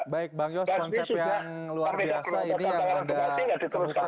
baik bang yos konsep yang luar biasa ini yang anda perlukan